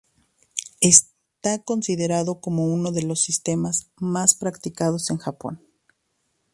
Está considerado como uno de los sistemas más practicados en Japón.